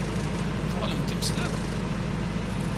Tuɣalemt d timeslab?